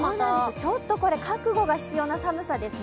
ちょっとこれ、覚悟が必要な寒さですね。